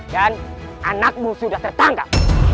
dan anakmu sudah tertangkap